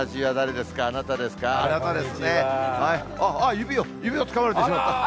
指を、指をつかまれてしまった。